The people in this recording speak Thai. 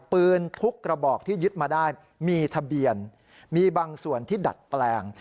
ปืนทุกกระบอกที่ยึดมาได้มีทะเบียนมีบางส่วนที่ดัดแปลง